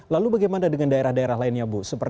lalu bagaimana dengan daerah daerah lainnya bu